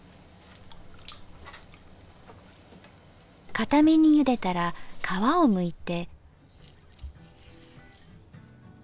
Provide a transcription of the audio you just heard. かためにゆでたら皮をむいて。